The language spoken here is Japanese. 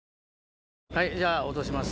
はいじゃあ落とします。